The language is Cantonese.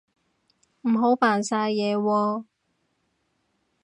唔好扮晒嘢喎